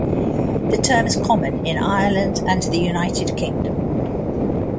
The term is common in Ireland and the United Kingdom.